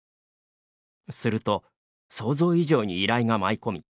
すると、想像以上に依頼が舞い込み